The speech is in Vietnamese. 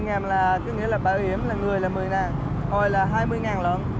dạ một mươi là có nghĩa là bảo hiểm là người là một mươi gọi là hai mươi lận